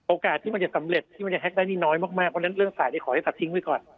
ที่มันจะสำเร็จที่มันจะแฮ็กได้นี่น้อยมากเพราะฉะนั้นเรื่องสายขอให้ตัดทิ้งไปก่อน